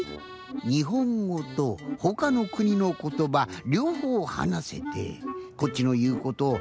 にほんごとほかのくにのことばりょうほうはなせてこっちのいうことあいて